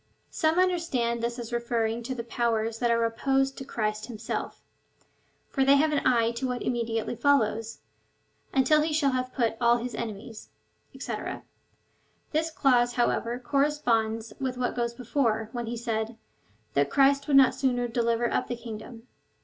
Some understand this as referring to the powers that are opposed to Christ himself; for they have an eye to what immediately follows, until he shall have put all his enemies, &c. This clause, how^ever, corresponds with what goes before, when he said, that Christ would not sooner deliver up the kingdom.